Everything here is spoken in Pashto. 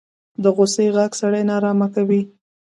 د غوسې غږ سړی نارامه کوي